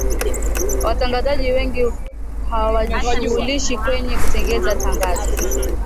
watangazaji wengi hawajishughulishi kwenye kutengeza tangazo